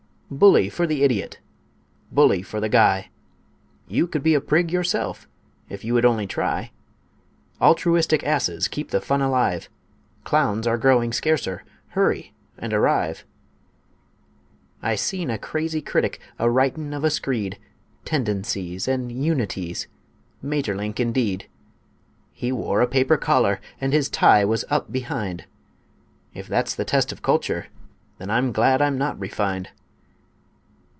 Bully for the idiot! Bully for the guy! You could be a prig yourself, if you would only try! Altruistic asses keep the fun alive; Clowns are growing scarcer; hurry and arrive! I seen a crazy critic a writin' of a screed; "Tendencies" and "Unities" Maeterlinck indeed! He wore a paper collar, and his tie was up behind; If that's the test of Culture, then I'm glad I'm not refined!